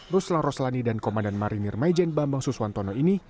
rusla roslani dan komandan marinir maijen bambang suswantono ini